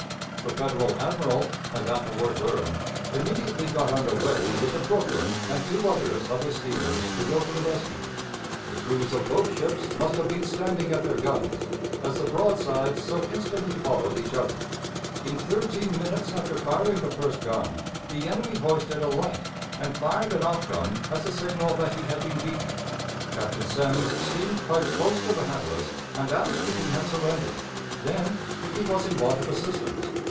The Federal Admiral, as afterward learned, immediately got under way with the Brooklyn and two others of his steamers to go to the rescue. The crews of both ships must have been standing at their guns, as the broadsides so instantly followed each other. In thirteen minutes after firing the first gun the enemy hoisted a light and fired an off gun as a signal that he had been beaten. Captain Semmes steamed quite close to the Hatteras and asked if he had surrendered; then, if he was in want of assistance.